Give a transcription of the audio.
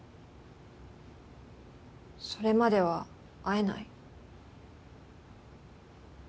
それまでは会えない。